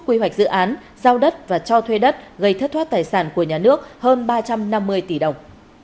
quy hoạch dự án giao đất và cho thuê đất gây thất thoát tài sản của nhà nước hơn ba trăm năm mươi tỷ đồng